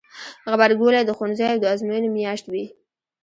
غبرګولی د ښوونځیو د ازموینو میاشت وي.